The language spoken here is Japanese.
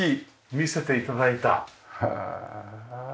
へえ。